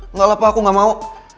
nggak lah pak aku nggak mau